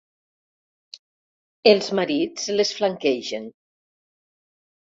Els marits les flanquegen.